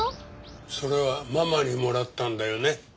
それはママにもらったんだよね？